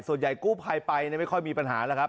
ส่วนใหญ่กู้ภัยไปไม่ค่อยมีปัญหาแล้วครับ